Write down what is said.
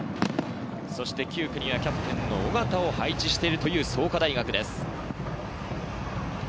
そして９区にはキャプテンの緒方を配置しているという創価大学です。